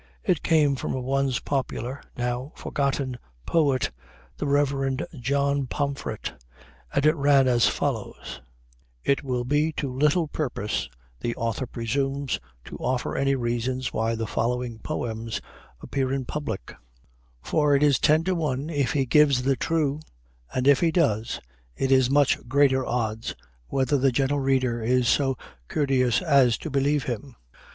It came from a once popular, now forgotten poet, the Rev. John Pomfret, and it ran as follows: "It will be to little purpose, the Author presumes, to offer any reasons why the following POEMS appear in public; for it is ten to one whether he gives the true, and if he does, it is much greater odds whether the gentle reader is so courteous as to believe him."